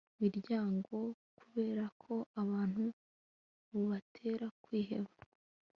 miryango kubera ko abantu bubatera kwiheba